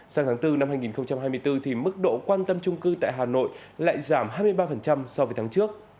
sang tháng bốn năm hai nghìn hai mươi bốn mức độ quan tâm trung cư tại hà nội lại giảm hai mươi ba so với tháng trước